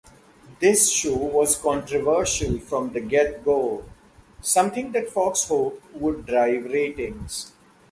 The show was controversial from the get-go, something that Fox hoped would drive ratings.